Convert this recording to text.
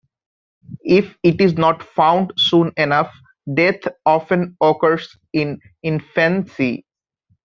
If it is not found soon enough, death often occurs in infancy.